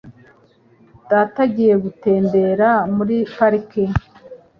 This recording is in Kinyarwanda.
Data agiye gutembera muri parike.